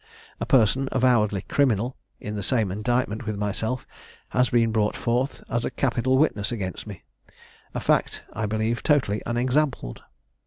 A person avowedly criminal in the same indictment with myself has been brought forth as a capital witness against me; a fact, I believe, totally unexampled.